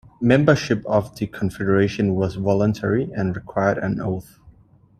Membership of the confederation was voluntary, and required an oath.